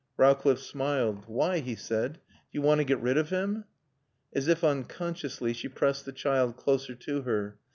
Rowcliffe smiled. "Why?" he said. "Do you want to get rid of him?" As if unconsciously she pressed the child closer to her.